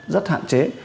rất hạn chế